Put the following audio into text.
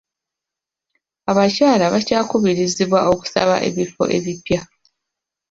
Abakyala bakyakubirizibwa okusaba ebifo ebipya.